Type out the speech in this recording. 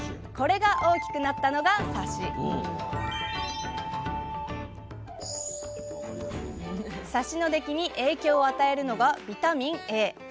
これが大きくなったのがサシサシの出来に影響を与えるのがビタミンＡ。